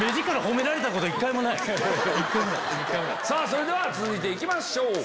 それでは続いて行きましょう。